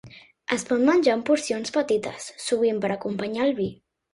Es pot menjar en porcions petites, sovint per acompanyar el vi.